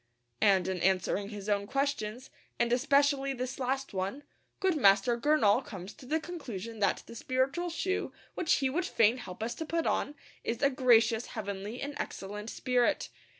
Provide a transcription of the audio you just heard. And in answering his own questions, and especially this last one, good Master Gurnall comes to the conclusion that the spiritual shoe which he would fain help us to put on is 'a gracious, heavenly, and excellent spirit.'